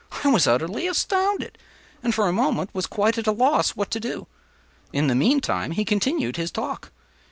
I was utterly astounded; and, for a moment, was quite at a loss what to do. In the meantime, he continued his talk.